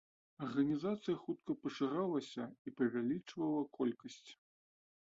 Арганізацыя хутка пашыралася і павялічвала колькасць.